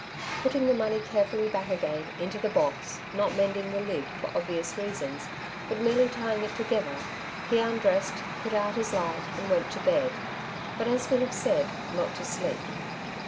Putting the money carefully back again into the box — not mending the lid, for obvious reasons, but merely tying it together — he undressed, put out his light, and went to bed, but, as we have said^ not to sleep.